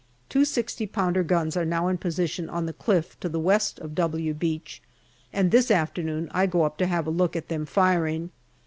Two Go pounder guns are now in position on the cliff to the west of " W " Beach, and this afternoon I go up to have a look at them firing.